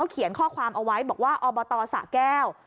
เขียนข้อความเอาไว้บอกว่าอบตสะแก้ว